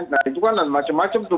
nah itu kan macam macam tuh